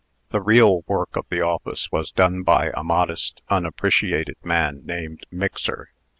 The real work of the office was done by a modest, unappreciated man named Mixer.